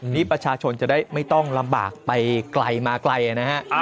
นี่ประชาชนจะได้ไม่ต้องลำบากไปไกลมาไกลนะฮะ